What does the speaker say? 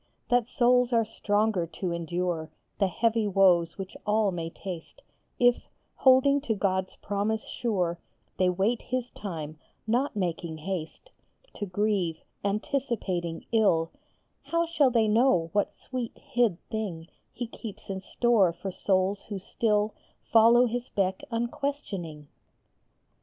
That souls are stronger to endure The heavy woes which all may taste, If, holding to God s promise sure, They wait his time, not making haste To grieve, anticipating ill ; How shall they know what sweet, hid thing He keeps in store for souls who still Follow his beck unquestioning?